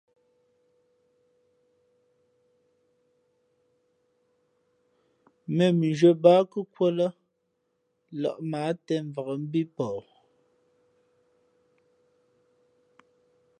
̀mēn mʉnzhwē bāā nkα̌kūα lά lᾱʼ mα ǎ těmvak mbí pαh.